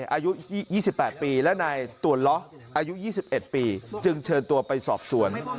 อายุ๒๘ปีและนายตวนล้ออายุ๒๑ปีจึงเชิญตัวไปสอบสวน